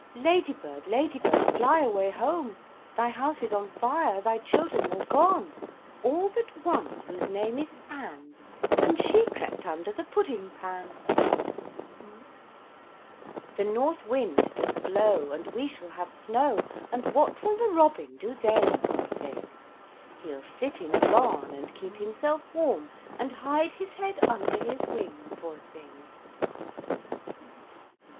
Lady bird, lady bird, fly away home, Thy house is on fire, thy children all gone: All but one whose name is Ann, And she crept under the pudding pan. The north wind doth blow, And we shall have snow, And what will the robin do then, Poor thing? He'll sit in a barn, And keep himself warm, And hide his head under his wing, Poor thing!